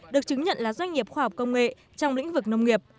được chứng nhận là doanh nghiệp khoa học công nghệ trong lĩnh vực nông nghiệp